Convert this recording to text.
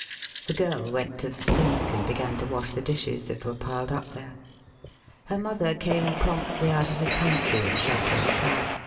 ] The girl went to the sink, and began to wash the dishes that were piled up there. Her mother came promptly out of the pantry, and shoved her aside.